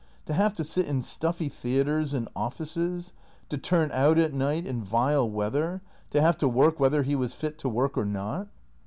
To have to sit in stuffy theatres and offices ; to turn out at night in vile weather ; to have to work whether he was fit to work or not."